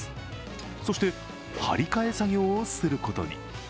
そして張り替え作業をすることに。